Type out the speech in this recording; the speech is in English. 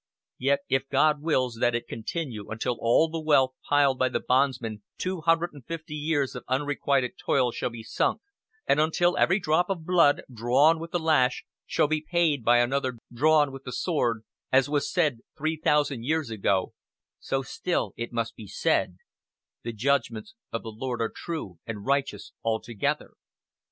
Yet; if God wills that it continue until all the wealth piled by the bondman's two hundred and fifty years of unrequited toil shall be sunk, and until every drop of blood drawn with the lash shall be paid by another drawn with the sword, as was said three thousand years ago, so still it must be said, 'The judgments of the Lord are true and righteous altogether.'